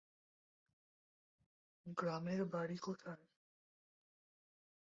গ্রামের বাড়ি কোথায়?